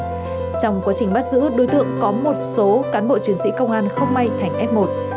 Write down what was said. trong quá trình bắt giữ đối tượng có một số cán bộ chiến sĩ công an không may thành f một